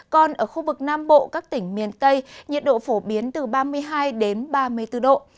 còn ở khu vực nam bộ các tỉnh miền tây nhiệt độ phổ biến từ ba mươi hai đến ba mươi bốn độ